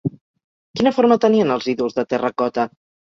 Quina forma tenien els ídols de terracota?